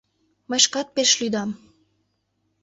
Мый шкат пеш лӱдам...